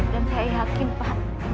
dan saya yakin pak